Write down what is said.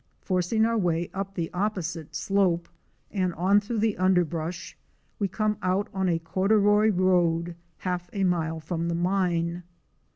Forcing our way up the opposite slope and on through the underbrush we come out on the corduroy road half a mile from the mine.